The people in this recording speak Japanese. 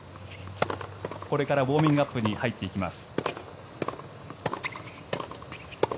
これからウォーミングアップに入っていきます。